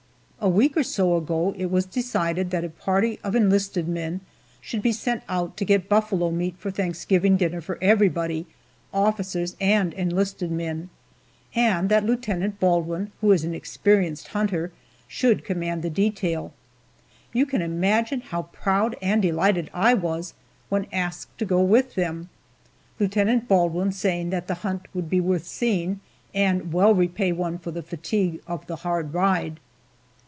A week or so ago it was decided that a party of enlisted men should be sent out to get buffalo meat for Thanksgiving dinner for everybody officers and enlisted men and that Lieutenant Baldwin, who is an experienced hunter, should command the detail. You can imagine how proud and delighted I was when asked to go with them. Lieutenant Baldwin saying that the hunt would be worth seeing, and well repay one for the fatigue of the hard ride.